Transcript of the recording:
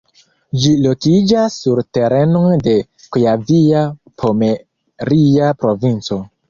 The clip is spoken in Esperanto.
Ĝi lokiĝas sur terenoj de Kujavia-Pomeria Provinco.